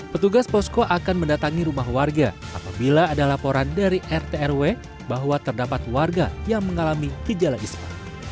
petugas posko akan mendatangi rumah warga apabila ada laporan dari rtrw bahwa terdapat warga yang mengalami gejala ispa